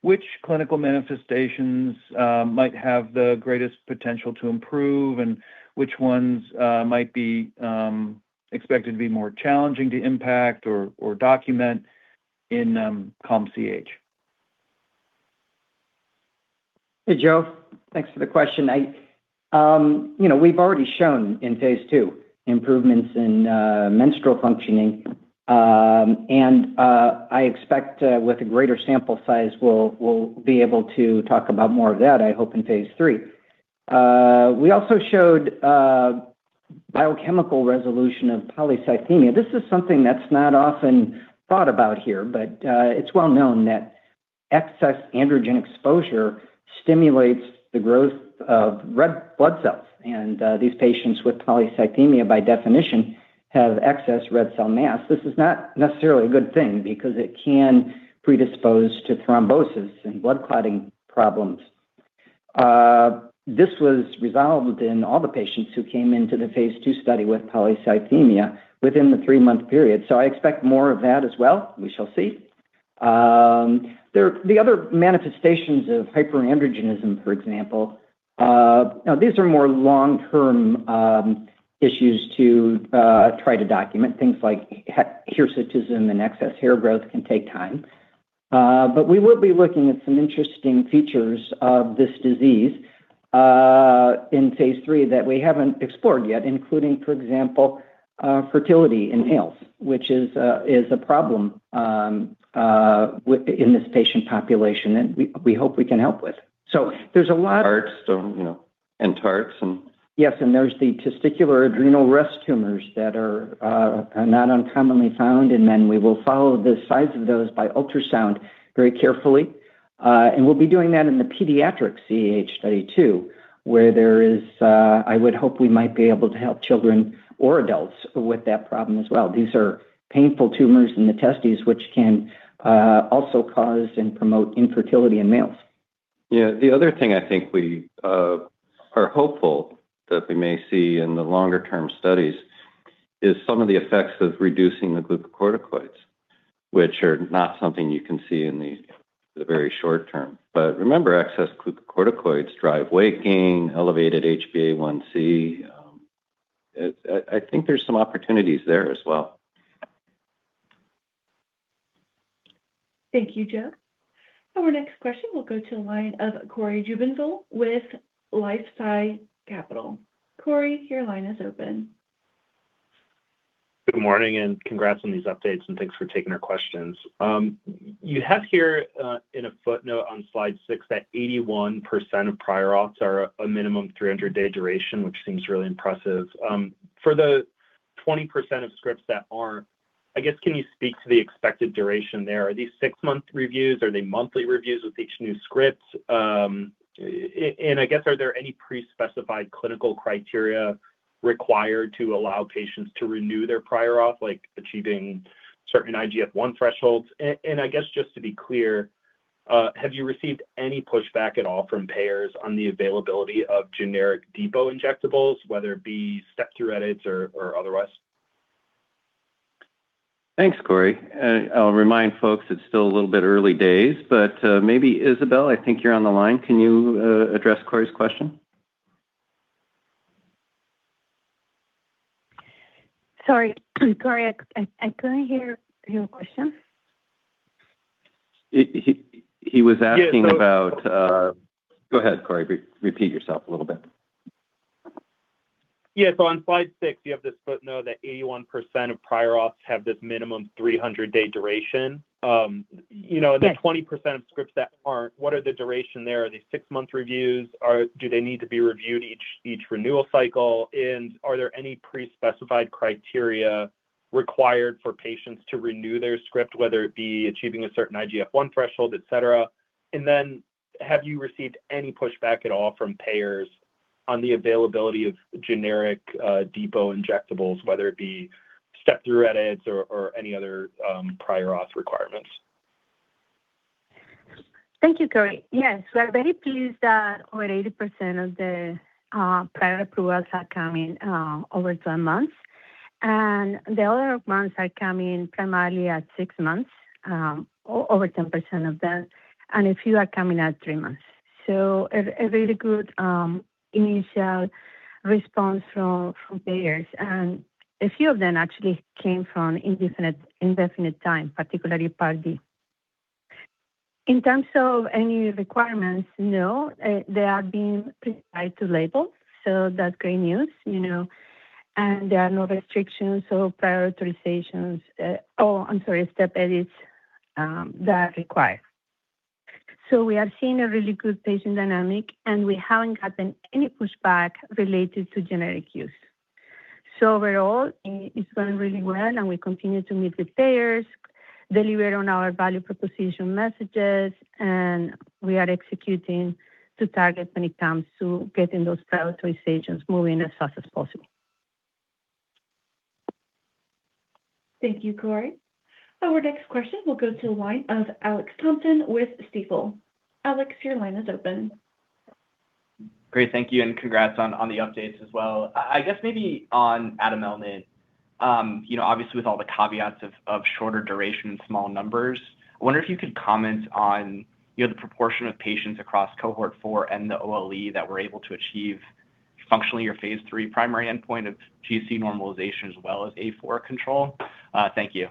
which clinical manifestations might have the greatest potential to improve and which ones might be expected to be more challenging to impact or document in CAH? Hey, Joe. Thanks for the question. You know, we've already shown in phase II improvements in menstrual functioning. And I expect with a greater sample size, we'll be able to talk about more of that, I hope, in phase III. We also showed biochemical resolution of polycythemia. This is something that's not often thought about here, but it's well known that excess androgen exposure stimulates the growth of red blood cells. And these patients with polycythemia, by definition, have excess red cell mass. This is not necessarily a good thing because it can predispose to thrombosis and blood clotting problems. This was resolved in all the patients who came into the phase II study with polycythemia within the three-month period. So I expect more of that as well. We shall see. The other manifestations of hyperandrogenism, for example, now these are more long-term issues to try to document. Things like hirsutism and excess hair growth can take time. But we will be looking at some interesting features of this disease in phase III that we haven't explored yet, including, for example, fertility in males, which is a problem in this patient population that we hope we can help with. So there's a lot. TARTs, you know, and TARTs and. Yes. And there's the testicular adrenal rest tumors that are not uncommonly found in men. We will follow the size of those by ultrasound very carefully. And we'll be doing that in the pediatric CAH study too, where there is, I would hope we might be able to help children or adults with that problem as well. These are painful tumors in the testes, which can also cause and promote infertility in males. Yeah. The other thing I think we are hopeful that we may see in the longer-term studies is some of the effects of reducing the glucocorticoids, which are not something you can see in the very short term. But remember, excess glucocorticoids drive weight gain, elevated HbA1c. I think there's some opportunities there as well. Thank you, Joe. Our next question will go to a line of Cory Jubinville with LifeSci Capital. Corey, your line is open. Good morning and congrats on these updates and thanks for taking our questions. You have here in a footnote on slide six that 81% of prior auths are a minimum 300-day duration, which seems really impressive. For the 20% of scripts that aren't, I guess, can you speak to the expected duration there? Are these six-month reviews? Are they monthly reviews with each new script? And I guess, are there any pre-specified clinical criteria required to allow patients to renew their prior auth, like achieving certain IGF-1 thresholds? And I guess just to be clear, have you received any pushback at all from payers on the availability of generic depot injectables, whether it be step-through edits or otherwise? Thanks, Cory. I'll remind folks it's still a little bit early days, but maybe Isabel, I think you're on the line. Can you address Cory's question? Sorry, Cory, I couldn't hear your question. He was asking about. Go ahead, Cory. Repeat yourself a little bit. Yeah. So on slide six, you have this footnote that 81% of prior auths have this minimum 300-day duration. You know, the 20% of scripts that aren't, what are the duration there? Are they six-month reviews? Do they need to be reviewed each renewal cycle? And are there any pre-specified criteria required for patients to renew their script, whether it be achieving a certain IGF-1 threshold, etc.? And then have you received any pushback at all from payers on the availability of generic depot injectables, whether it be step-through edits or any other prior auth requirements? Thank you, Cory. Yes, we're very pleased that over 80% of the prior approvals are coming over 12 months. And the other ones are coming primarily at six months, over 10% of them, and a few are coming at three months. So a really good initial response from payers. And a few of them actually came from indefinite time, particularly Part D. In terms of any requirements, no. They are being prescribed to label. So that's great news. You know, and there are no restrictions or prior authorizations, oh, I'm sorry, step edits that are required. So we are seeing a really good patient dynamic, and we haven't gotten any pushback related to generic use. Overall, it's going really well, and we continue to meet with payers, deliver on our value proposition messages, and we are executing to target when it comes to getting those prior authorizations moving as fast as possible. Thank you, Cory. Our next question will go to a line of Alex Thompson with Stifel. Alex, your line is open. Great. Thank you, and congrats on the updates as well. I guess maybe on atumelnant, you know, obviously with all the caveats of shorter duration and small numbers, I wonder if you could comment on, you know, the proportion of patients across Cohort 4 and the OLE that were able to achieve functionally your phase III primary endpoint of GC normalization as well as A4 control. Thank you.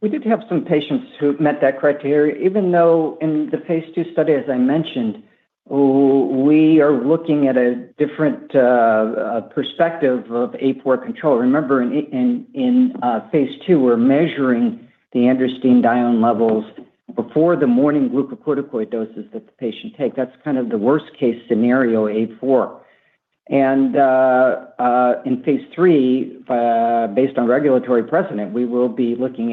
We did have some patients who met that criteria, even though in the phase II study, as I mentioned, we are looking at a different perspective of A4 control. Remember, in phase II, we're measuring the androstenedione levels before the morning glucocorticoid doses that the patient takes. That's kind of the worst-case scenario, A4. And in phase III, based on regulatory precedent, we will be looking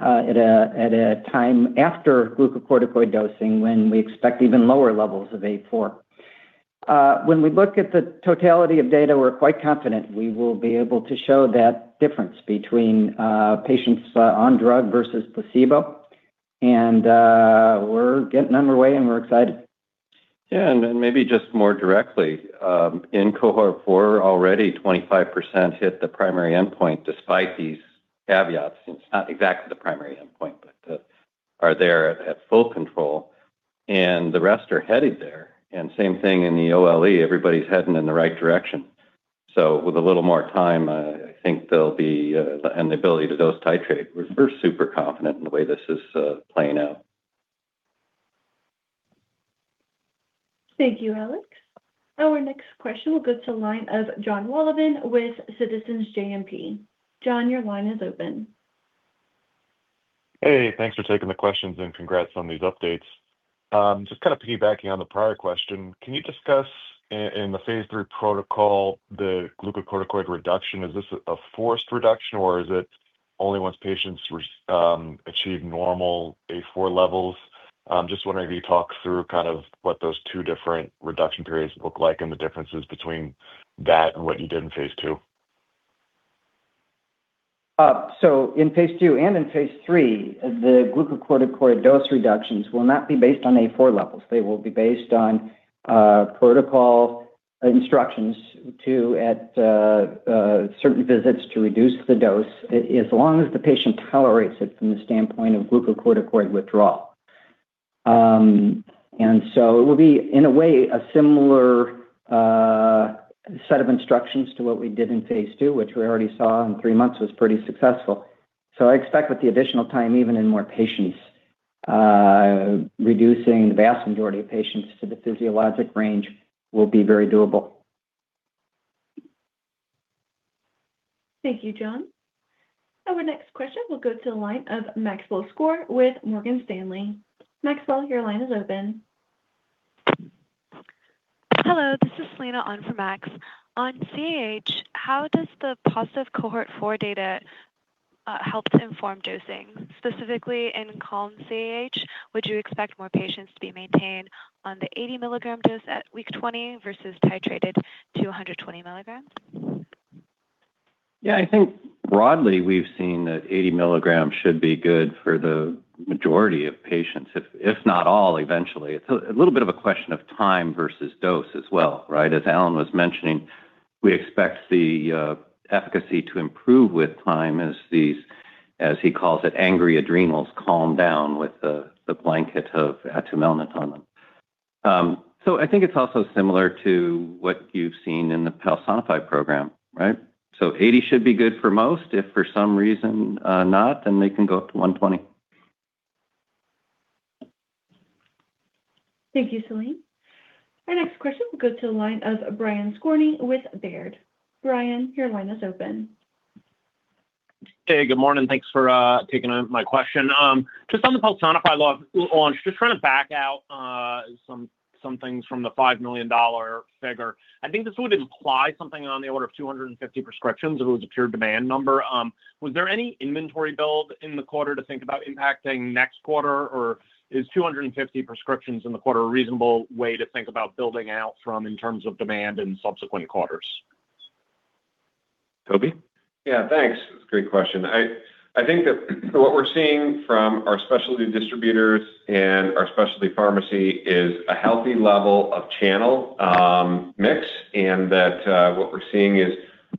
at it at a time after glucocorticoid dosing when we expect even lower levels of A4. When we look at the totality of data, we're quite confident we will be able to show that difference between patients on drug versus placebo. And we're getting underway, and we're excited. Yeah. And maybe just more directly, in Cohort 4, already 25% hit the primary endpoint despite these caveats. It's not exactly the primary endpoint, but they're at full control. And the rest are headed there. And same thing in the OLE. Everybody's heading in the right direction. So with a little more time, I think there'll be an ability to dose titrate. We're super confident in the way this is playing out. Thank you, Alex. Our next question will go to a line of Jon Wolleben with Citizens JMP. John, your line is open. Hey, thanks for taking the questions and congrats on these updates. Just kind of piggybacking on the prior question, can you discuss in the phase III protocol the glucocorticoid reduction? Is this a forced reduction, or is it only once patients achieve normal A4 levels? Just wondering if you talk through kind of what those two different reduction periods look like and the differences between that and what you did in phase II. So in phase II and in phase III, the glucocorticoid dose reductions will not be based on A4 levels. They will be based on protocol instructions to, at certain visits, reduce the dose as long as the patient tolerates it from the standpoint of glucocorticoid withdrawal. And so it will be, in a way, a similar set of instructions to what we did in phase II, which we already saw in three months was pretty successful. So I expect with the additional time, even in more patients, reducing the vast majority of patients to the physiologic range will be very doable. Thank you, Jon. Our next question will go to a line of Maxwell Skor with Morgan Stanley. Maxwell, your line is open. Hello, this is Lena on for Max. On CAH, how does the positive Cohort 4 data help to inform dosing? Specifically, in Calm, would you expect more patients to be maintained on the 80-milligram dose at week 20 versus titrated to 120 mg? Yeah, I think broadly we've seen that 80 mg should be good for the majority of patients, if not all, eventually. It's a little bit of a question of time versus dose as well, right? As Alan was mentioning, we expect the efficacy to improve with time as these, as he calls it, angry adrenals calm down with the blanket of atumelnant on them. So I think it's also similar to what you've seen in the Palsonify program, right? So 80 mg should be good for most. If for some reason not, then they can go up to 120 mg. Thank you, Lena. Our next question will go to a line of Brian Skorney with Baird. Brian, your line is open. Hey, good morning. Thanks for taking my question. Just on the Palsonify launch, just trying to back out some things from the $5 million figure. I think this would imply something on the order of 250 prescriptions if it was a pure demand number. Was there any inventory build in the quarter to think about impacting next quarter, or is 250 prescriptions in the quarter a reasonable way to think about building out from in terms of demand in subsequent quarters? Toby? Yeah, thanks. It's a great question. I think that what we're seeing from our specialty distributors and our specialty pharmacy is a healthy level of channel mix and that what we're seeing is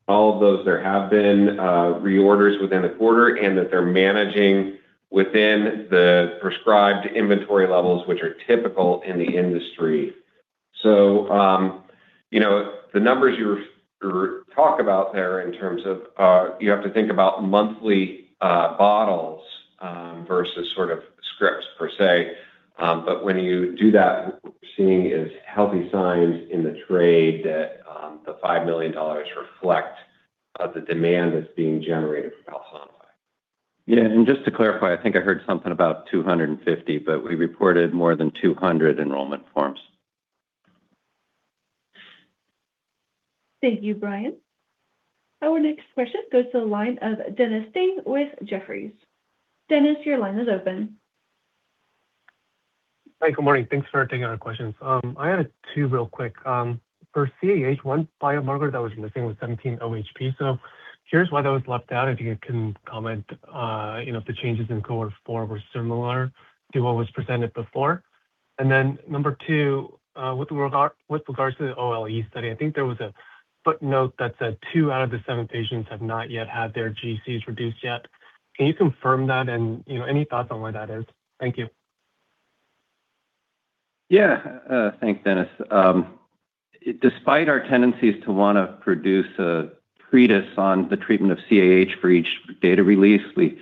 all of those, there have been reorders within the quarter and that they're managing within the prescribed inventory levels, which are typical in the industry. So, you know, the numbers you talk about there in terms of you have to think about monthly bottles versus sort of scripts per se. But when you do that, what we're seeing is healthy signs in the trade that the $5 million reflect the demand that's being generated from Palsonify. Yeah. And just to clarify, I think I heard something about 250, but we reported more than 200 enrollment forms. Thank you, Brian. Our next question goes to a line of Dennis Ding with Jefferies. Dennis, your line is open. Hi, good morning. Thanks for taking our questions. I had two real quick. For CAH, one biomarker that was missing was 17-OHP. So here's why that was left out. If you can comment, you know, if the changes in Cohort 4 were similar to what was presented before. And then number two, with regards to the OLE study, I think there was a footnote that said two out of the seven patients have not yet had their GCs reduced yet. Can you confirm that and, you know, any thoughts on why that is? Thank you. Yeah. Thanks, Dennis. Despite our tendencies to want to produce a presentation on the treatment of CAH for each data release, we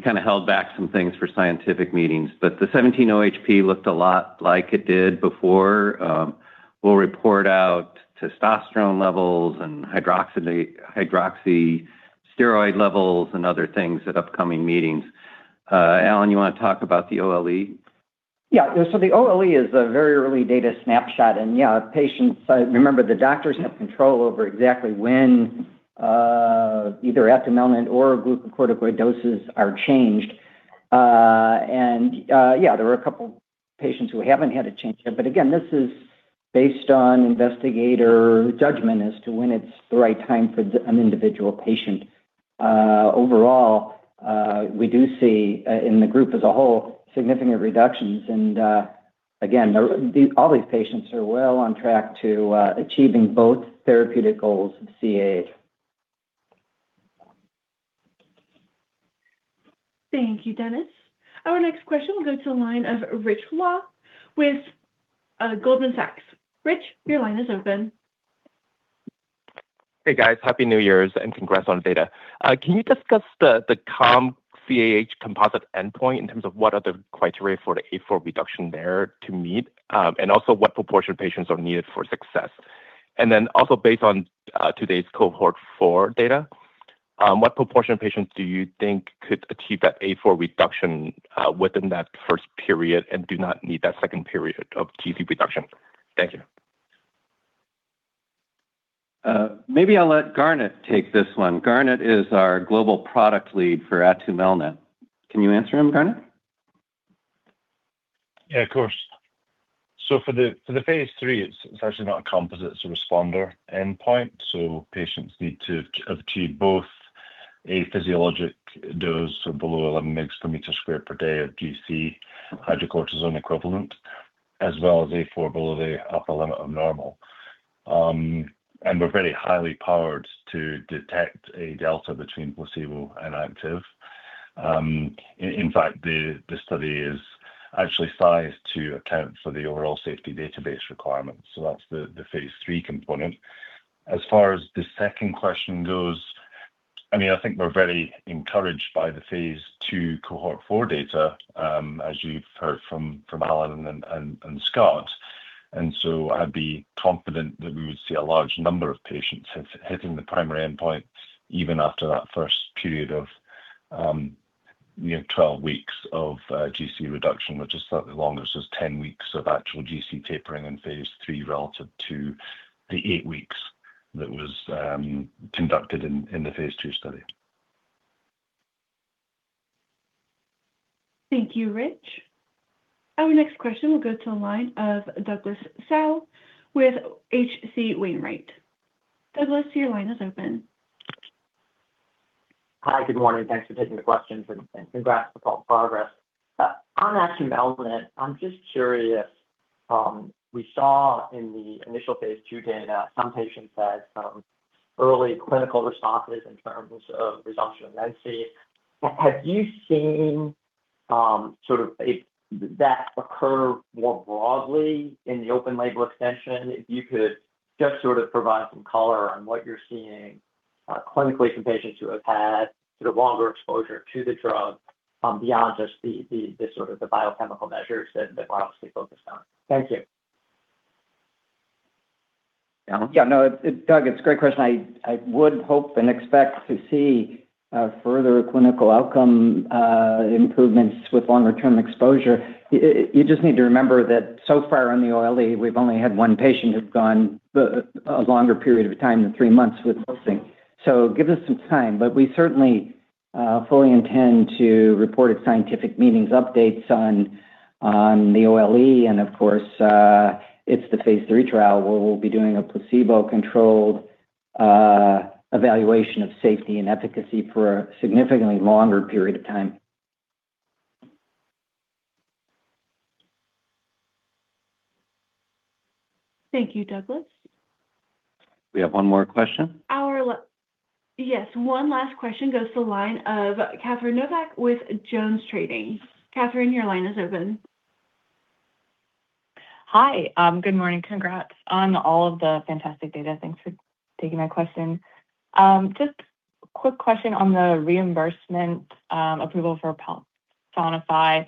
kind of held back some things for scientific meetings. But the 17-OHP looked a lot like it did before. We'll report out testosterone levels and hydroxy steroid levels and other things at upcoming meetings. Alan, you want to talk about the OLE? Yeah. So the OLE is a very early data snapshot. And yeah, patients, remember, the doctors have control over exactly when either atumelnant or glucocorticoid doses are changed. And yeah, there were a couple patients who haven't had a change yet. But again, this is based on investigator judgment as to when it's the right time for an individual patient. Overall, we do see in the group as a whole significant reductions. And again, all these patients are well on track to achieving both therapeutic goals of CAH. Thank you, Dennis. Our next question will go to a line of Rich Law with Goldman Sachs. Rich, your line is open. Hey, guys. Happy New Year's, and congrats on data. Can you discuss the CAH composite endpoint in terms of what are the criteria for the A4 reduction there to meet and also what proportion of patients are needed for success? And then also based on today's Cohort 4 data, what proportion of patients do you think could achieve that A4 reduction within that first period and do not need that second period of GC reduction? Thank you. Maybe I'll let Garnet take this one. Garnet is our global product lead for atumelnant. Can you answer him, Garnet? Yeah, of course. For the phase III, it's actually not a composite, it's a responder endpoint. Patients need to have achieved both a physiologic dose of below 11 mg per meter squared per day of GC, hydrocortisone equivalent, as well as A4 below the upper limit of normal. We're very highly powered to detect a delta between placebo and active. In fact, the study is actually sized to account for the overall safety database requirements. That's the phase III component. As far as the second question goes, I mean, I think we're very encouraged by the phase II Cohort 4 data, as you've heard from Alan and Scott. I'd be confident that we would see a large number of patients hitting the primary endpoint even after that first period of, you know, 12 weeks of GC reduction, which is slightly longer. So it's 10 weeks of actual GC tapering in phase III relative to the eight weeks that was conducted in the phase II study. Thank you, Rich. Our next question will go to a line of Douglas Tsao with H.C. Wainwright. Douglas, your line is open. Hi, good morning. Thanks for taking the question and congrats for progress. On atumelnant, I'm just curious. We saw in the initial phase II data some patients had some early clinical responses in terms of resumption of menses. Have you seen sort of that occur more broadly in the open-label extension? If you could just sort of provide some color on what you're seeing clinically from patients who have had sort of longer exposure to the drug beyond just the sort of the biochemical measures that we're obviously focused on. Thank you. Yeah, no, Doug, it's a great question. I would hope and expect to see further clinical outcome improvements with longer-term exposure. You just need to remember that so far on the OLE, we've only had one patient who's gone a longer period of time than three months with dosing. So give us some time. But we certainly fully intend to report at scientific meetings updates on the OLE. And of course, it's the phase III trial. We'll be doing a placebo-controlled evaluation of safety and efficacy for a significantly longer period of time. Thank you, Douglas. We have one more question. Yes, one last question goes to the line of Catherine Novack with JonesTrading. Catherine, your line is open. Hi, good morning. Congrats on all of the fantastic data. Thanks for taking my question. Just a quick question on the reimbursement approval for Palsonify.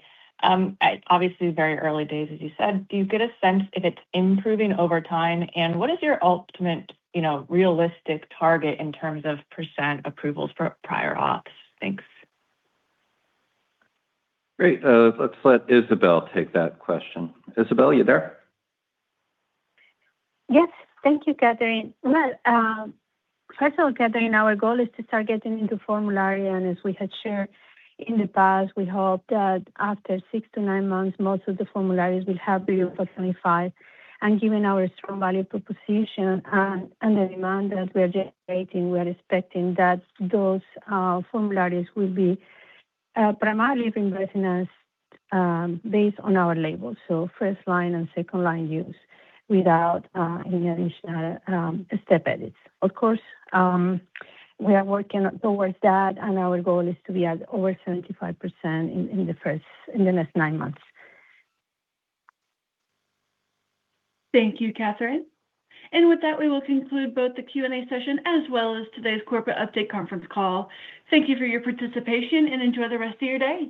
Obviously, very early days, as you said. Do you get a sense if it's improving over time? And what is your ultimate, you know, realistic target in terms of percent approvals for prior auths? Thanks. Great. Let's let Isabel take that question. Isabel, you there? Yes. Thank you, Catherine. First of all, Catherine, our goal is to start getting into formulary. And as we had shared in the past, we hope that after six to nine months, most of the formularies will have been approximately 95%. And given our strong value proposition and the demand that we are generating, we are expecting that those formularies will be primarily reimbursing us based on our labels. So first-line and second-line use without any additional step edits. Of course, we are working towards that, and our goal is to be at over 75% in the next nine months. Thank you, Catherine. And with that, we will conclude both the Q&A session as well as today's corporate update conference call. Thank you for your participation and enjoy the rest of your day.